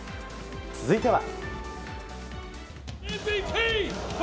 続いては。